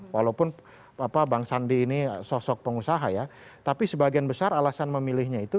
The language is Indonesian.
walaupun bang sandi ini sosok pengusaha ya tapi sebagian besar alasan memilihnya itu